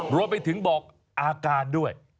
รวมไปถึงบอกอาการด้วย